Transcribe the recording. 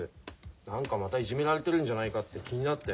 何かまたいじめられてるんじゃないかって気になって。